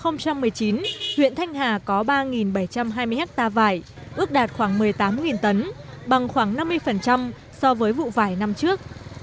năm hai nghìn một mươi chín huyện thanh hà có ba bảy trăm hai mươi hectare vải ước đạt khoảng một mươi tám tấn bằng khoảng năm mươi so với vụ vải năm trước